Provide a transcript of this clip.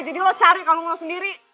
jadi lo cari kalung lo sendiri